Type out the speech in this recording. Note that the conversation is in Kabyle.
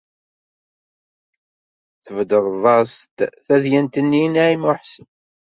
Tbedreḍ-as-d tadyant-nni i Naɛima u Ḥsen.